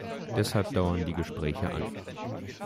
Deshalb dauern die Gespräche an.